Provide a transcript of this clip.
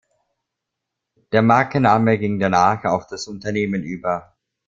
Der Markenname ging danach auf das Unternehmen über.